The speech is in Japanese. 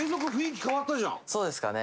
そうですかね？